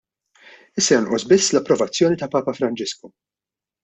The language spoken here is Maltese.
Issa jonqos biss l-approvazzjoni ta' Papa Franġisku.